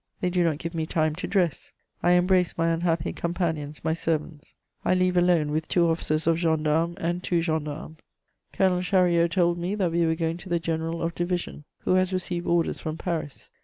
They do not give me time to dress. I embrace my unhappy companions, my servants. I leave alone with two officers of gendarmes and two gendarmes. Colonel Chariot told me that we were going to the general of division, who has received orders from Paris.